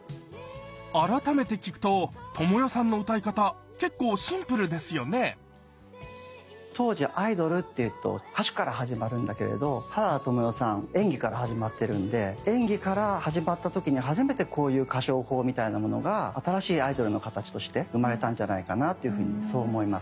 改めて聴くと知世さんの歌い方結構シンプルですよね当時アイドルっていうと歌手から始まるんだけれど原田知世さん演技から始まってるんで演技から始まった時に初めてこういう歌唱法みたいなものが新しいアイドルの形として生まれたんじゃないかなっていうふうにそう思います。